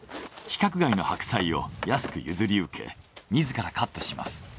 規格外のハクサイを安く譲り受け自らカットします。